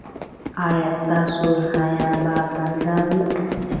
ایا ستاسو حیا به پرده وي؟